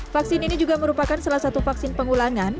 vaksin ini juga merupakan salah satu vaksin pengulangan